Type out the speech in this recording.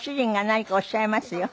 「何かおっしゃいますよ」